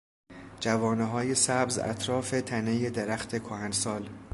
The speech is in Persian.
جوانههای سبز اطراف تنهی درخت کهنسال